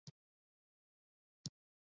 د پرهېزګارانو لپاره هدایت دى.